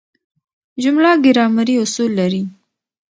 جمله ګرامري اصول لري.